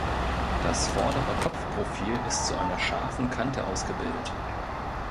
Das vordere Kopfprofil ist zu einer scharfen Kante ausgebildet.